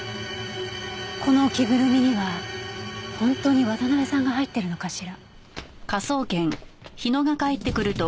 この着ぐるみには本当に渡辺さんが入ってるのかしら？